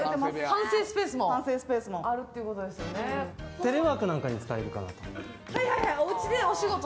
テレワークなんかに使えるかなと。